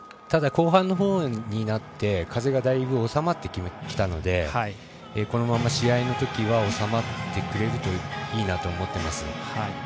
ただ、後半のほうになって風がだいぶ収まってきたのでこのまま試合のときは収まってくれるといいなと思っています。